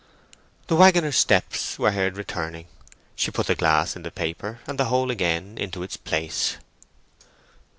The waggoner's steps were heard returning. She put the glass in the paper, and the whole again into its place.